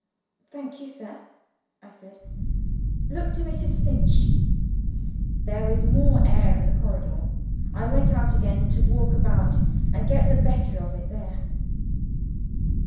"Thank you, sir," I said. "Look to Mrs. Finch." There was more air in the corridor. I went out again, to walk about, and get the better of it there.